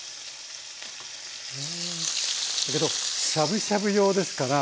だけどしゃぶしゃぶ用ですから。